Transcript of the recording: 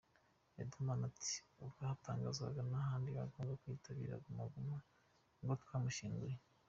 Riderman ati: "Ubwo hatangazwaga abahanzi bagomba kwitabira Guma Guma nibwo twamushyinguye.